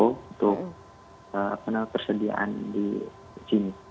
untuk persediaan di sini